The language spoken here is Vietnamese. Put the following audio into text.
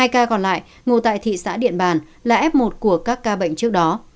hai ca còn lại ngồi tại thị xã điện bàn là f một của các ca bệnh trước đó